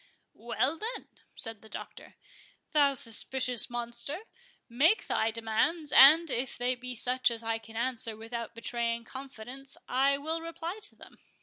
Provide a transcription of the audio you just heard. "Well, then," said the Doctor, "thou suspicious monster, make thy demands, and, if they be such as I can answer without betraying confidence, I will reply to them."